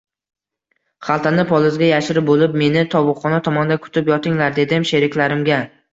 – Xaltani polizga yashirib bo‘lib, meni tovuqxona tomonda kutib yotinglar, – dedim sheriklarimga